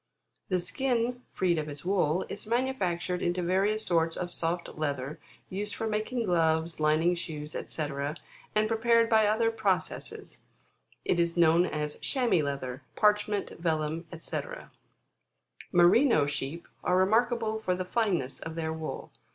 The skin, freed of its wool, is manufactured into various sorts of soft leather, used for making gloves, lining shoes, &c., and prepared by other processes, it is known as chamois leather, parchment, vellum, fyc. Merino sheep, are remarkable for the fineness of their wool.